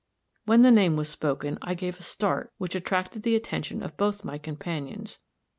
When the name was spoken, I gave a start which attracted the attention of both my companions.